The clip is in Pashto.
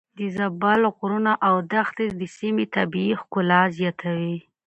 د زابل غرونه او دښتې د سيمې طبيعي ښکلا زياتوي.